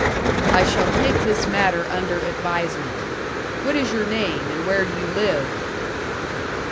"I shall take this matter under advisement. What is your name, and where do you live?"